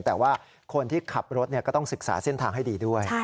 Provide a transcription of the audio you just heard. แต่ว่าคนที่ขับรถก็ต้องศึกษาเส้นทางให้ดีด้วย